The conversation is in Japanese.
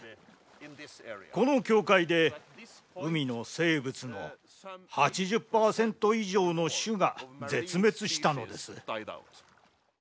この境界で海の生物の８０％以上の種が絶滅したのです。